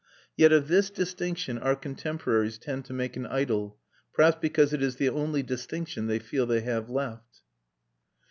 Yet of this distinction our contemporaries tend to make an idol, perhaps because it is the only distinction they feel they have left.